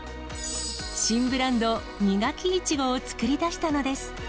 新ブランド、ミガキイチゴを作り出したのです。